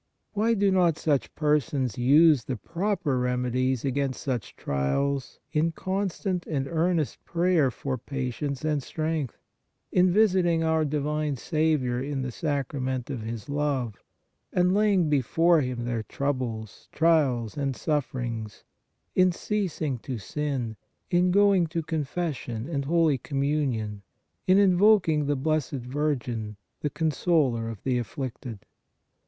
Why do not such persons use the proper remedies against such trials in constant and earnest prayer for patience and strength, in visiting our divine Saviour in the Sacrament of His love and laying before Him their troubles, trials and sufferings, in ceasing to sin, in going to confession and holy Communion, in invok ing the Blessed Virgin, the Consoler of the af flicted?